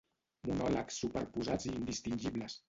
monòlegs superposats i indistingibles